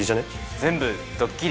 全部ドッキリ。